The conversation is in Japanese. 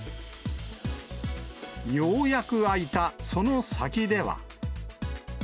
ようやく開いたその先では。